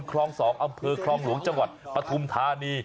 คลอง๒อำเภอคลองหลวงจังหวัดปฐุมธานี